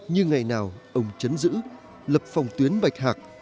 như ngày nào ông chấn giữ lập phòng tuyến bạch hạc